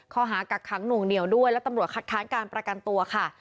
กักขังหน่วงเหนียวด้วยและตำรวจคัดค้านการประกันตัวค่ะ